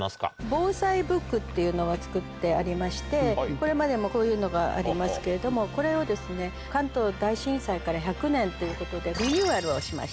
防災ブックっていうのを作ってありましてこれまでもこういうのがありますけれどもこれを関東大震災から１００年ということでリニューアルをしまして。